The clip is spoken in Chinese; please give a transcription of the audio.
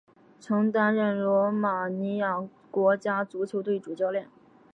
曾担任罗马尼亚国家足球队主教练。